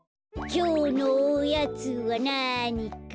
きょうのおやつはなにかな？